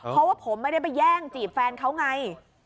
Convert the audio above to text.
เพราะว่าผมไม่ได้ไปแย่งจีบแฟนเขาไง